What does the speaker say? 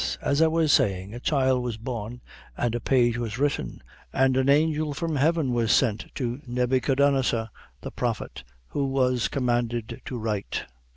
As I was sayin' a child was born and a page was written and an angel from heaven was sent to Nebbychodanazor, the prophet, who was commanded to write.